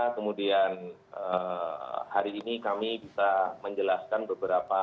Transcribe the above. kemudian hari ini kami bisa menjelaskan beberapa